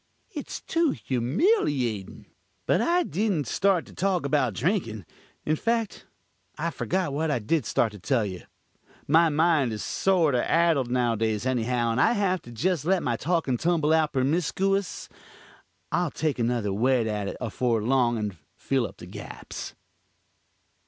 It's too humiliatin'. But I dident start to talk about drinkin'. In fact, I've forgot what I did start to tell you. My mind is sorter addled now a days, anyhow, and I hav to jes let my tawkin' tumble out permiskuous. I'll take another whet at it afore long, and fill up the gaps.